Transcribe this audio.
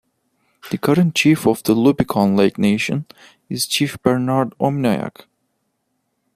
The current Chief of the Lubicon Lake Nation is Chief Bernard Ominayak.